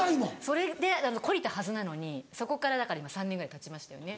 それで懲りたはずなのにそこからだから今３年ぐらいたちましたよね。